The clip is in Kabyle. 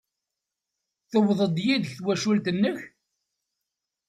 Tuwyeḍ-d yid-k tawacult-nnek?